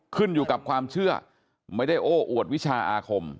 ขึ้นอยู่กับความเชื่อไม่ได้โอ้อวดวิชาอาคม